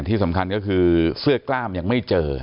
ที่สำคัญก็คือเสื้อกล้ามยังไม่เจอ